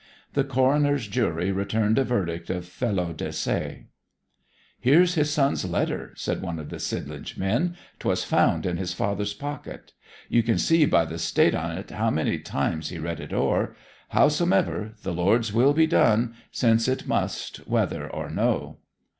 The coroner's jury returned a verdict of felo de se. 'Here's his son's letter,' said one of the Sidlinch men. ''Twas found in his father's pocket. You can see by the state o't how many times he read it over. Howsomever, the Lord's will be done, since it must, whether or no.'